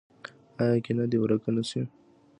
آیا کینه دې ورک نشي؟